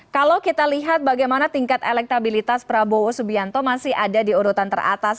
kalau kita lihat bagaimana tingkat elektabilitas prabowo subianto masih ada di urutan teratas